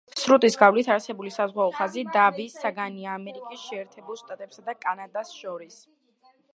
სრუტის გავლით არსებული საზღვაო ხაზი დავის საგანია ამერიკის შეერთებულ შტატებსა და კანადას შორის.